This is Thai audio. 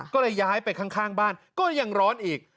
ก็เลยย้ายไปข้างบ้านก็ยังร้อนอีก